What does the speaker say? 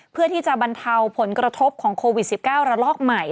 เพื่อที่จะบรรเทาผลกระทบของโควิด๑๙ระลอกใหม่